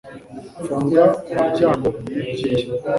Funga umuryango iyo ugiye